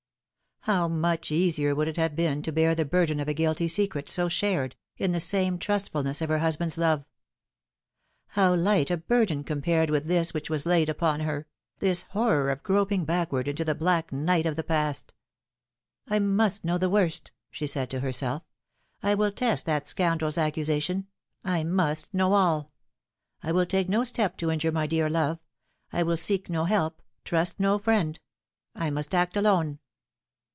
How much easier would it have been to bear the burden of a guilty secret, so shared, in the supreme trustfulness of her husband's love ! How light a burden compared with this which was laid upon her I this horror of groping backward into the black night of the past. " I must know the worst," she said to herself ;" I will test that scoundrel's accusation. I must know all. I will take no step to injure my dear love. I will seek no help, trust no friend. I must act alone."